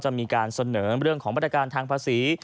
จะมีการเสนอเรื่องของมาตรการทางภาษี